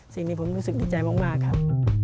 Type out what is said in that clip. สิ่งนี้ผมรู้สึกดีใจมากครับ